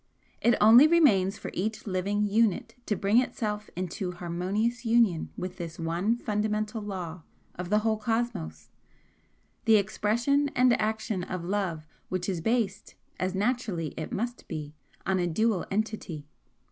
It only remains for each living unit to bring itself into harmonious union with this one fundamental law of the whole cosmos, the expression and action of Love which is based, as naturally it must be, on a dual entity."